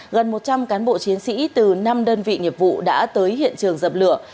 gần một trăm linh cán bộ chiến sĩ từ năm đơn vị nghiệp vụ đã tới hiện trường dập lửa